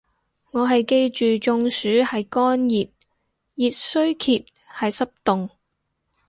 我係記住中暑係乾熱，熱衰竭係濕凍